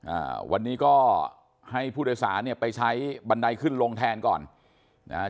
อ่าวันนี้ก็ให้ผู้โดยสารเนี่ยไปใช้บันไดขึ้นลงแทนก่อนนะฮะ